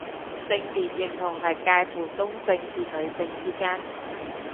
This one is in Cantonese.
性別認同係界乎中性至女性之間